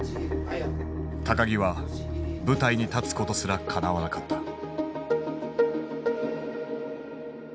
木は舞台に立つことすらかなわなかった。